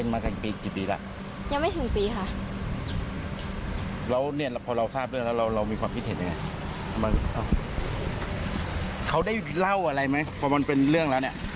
มีความพิเศษยังไงเขาได้เล่าอะไรไหมเพราะมันเป็นเรื่องแล้วเนี่ย